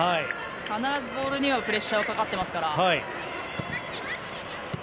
必ずボールにはプレッシャーがかかっていますから。